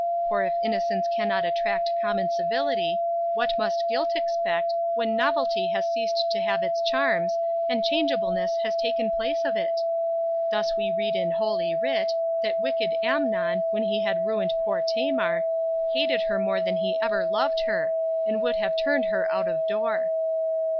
For if innocence cannot attract common civility, what must guilt expect, when novelty has ceased to have its charms, and changeableness had taken place of it? Thus we read in Holy Writ, that wicked Amnon, when he had ruined poor Tamar, hated her more than he ever loved her, and would have turned her out of door.